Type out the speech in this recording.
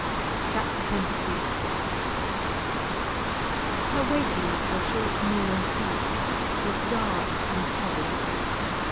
CHAPTER XXII Her waking after a short morning sleep was dark and troubled.